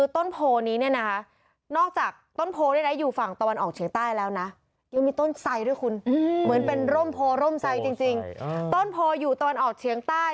ต้นโพรอยู่ตอนออกเฉียงใต้